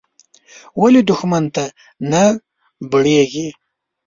ولې دوښمن ته نه بړېږې.